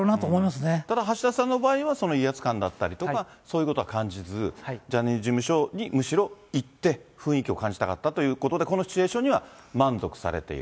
ただ橋田さんの場合は、威圧感だったりとか、そういうことは感じず、ジャニーズ事務所にむしろ行って、雰囲気を感じたかったということで、このシチュエーションには満足されている。